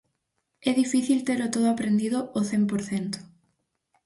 É difícil telo todo aprendido ao cen por cento.